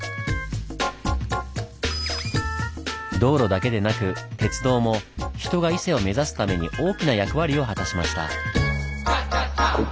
道路だけでなく鉄道も人が伊勢を目指すために大きな役割を果たしました。